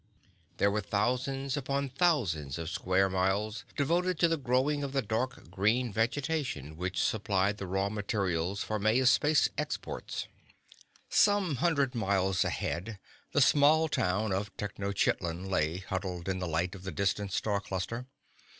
There were thousands upon thousands of square miles devoted to the growing of the dark green vegetation which supplied the raw materials for Maya's space exports. Some hundred odd miles ahead, the small town of Tenochitlan lay huddled in the light of the distant star cluster.